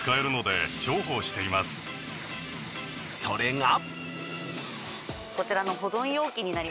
それが。